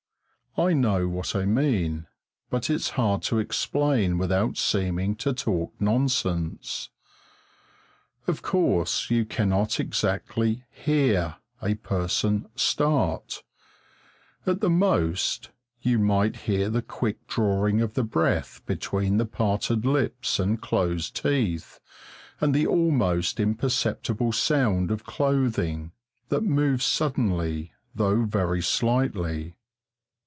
I know what I mean, but it's hard to explain without seeming to talk nonsense. Of course you cannot exactly "hear" a person "start"; at the most, you might hear the quick drawing of the breath between the parted lips and closed teeth, and the almost imperceptible sound of clothing that moved suddenly though very slightly.